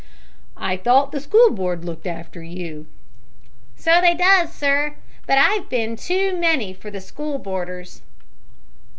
"I thought the School Board looked after such as you." "So they does, sir; but I've been too many for the school boarders."